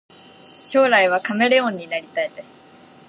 将来はカメレオンになりたいです